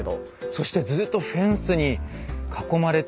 そしてずっとフェンスに囲まれていた。